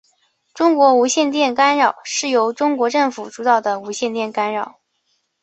中国无线电干扰是由中国政府主导的无线电干扰。